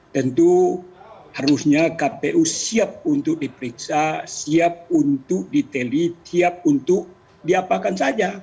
tentu harusnya kpu siap untuk diperiksa siap untuk diteli siap untuk diapakan saja